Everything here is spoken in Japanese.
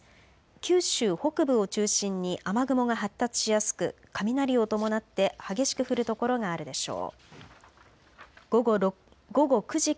九州北部を中心に雨雲が発達しやすく、雷を伴って激しく降る所があるでしょう。